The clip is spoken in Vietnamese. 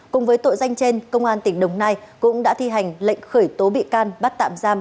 cùng với tội danh trên công an tỉnh đồng nai cũng đã thi hành lệnh khởi tố bị can bắt tạm giam